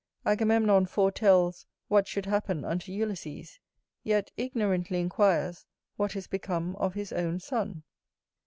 Agamemnon foretells what should happen unto Ulysses; yet ignorantly inquires what is become of his own son.